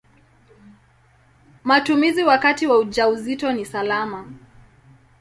Matumizi wakati wa ujauzito ni salama.